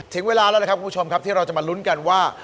ถึงเวลาแล้วนะครับคุณผู้ชมครับที่เราจะมาลุ้นกันว่า